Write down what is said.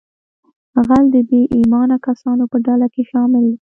غل د بې ایمانه کسانو په ډله کې شامل دی